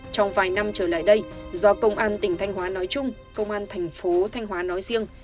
trong vài năm trở lại đây do công an tỉnh thanh hóa nói chung công an thành phố thanh hóa nói riêng